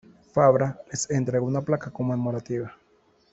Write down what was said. Fabra les entregó una placa conmemorativa.